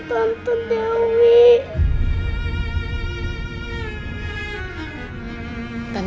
apa gitu dari ini obesity cita cita aja